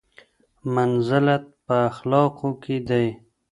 منزلت په اخلاقو کې دی.